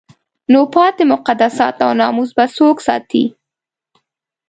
نو پاتې مقدسات او ناموس به څوک ساتي؟